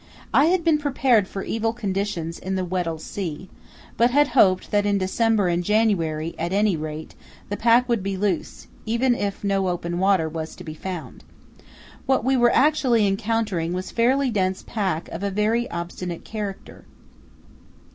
I had been prepared for evil conditions in the Weddell Sea, but had hoped that in December and January, at any rate, the pack would be loose, even if no open water was to be found. What we were actually encountering was fairly dense pack of a very obstinate character.